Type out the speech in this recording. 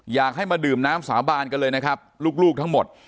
อยากให้มาดื่มน้ำสาบานกันเลยนะครับลูกทั้งหมด